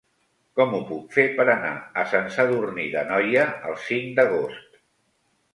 Com ho puc fer per anar a Sant Sadurní d'Anoia el cinc d'agost?